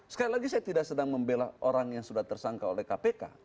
sekali lagi saya tidak sedang membela orang yang sudah tersangka oleh kpk